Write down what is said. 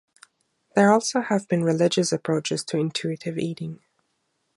There also have been religious approaches to intuitive eating.